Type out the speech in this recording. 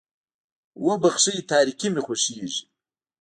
وبښئ تاريکي مې خوښېږي.